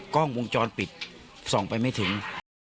กล้องวงจรปิดส่องไปไม่ถึง